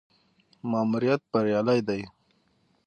ماموریت بریالی دی.